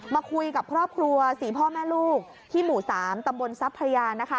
มาคุยกับครอบครัว๔พ่อแม่ลูกที่หมู่๓ตำบลทรัพยานะคะ